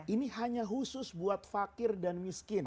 ini hanya khusus buat fakir dan miskin